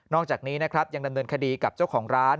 อกจากนี้นะครับยังดำเนินคดีกับเจ้าของร้าน